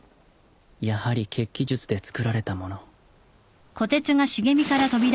やはり血鬼術でつくられたもの